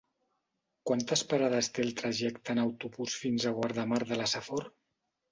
Quantes parades té el trajecte en autobús fins a Guardamar de la Safor?